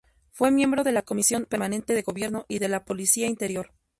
Fue miembro de la Comisión Permanente de Gobierno y de la de Policía Interior.